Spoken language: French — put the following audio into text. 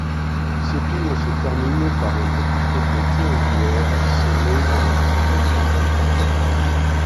Ce pignon se termine par un petit fronton triangulaire sommé d'un pot à feu.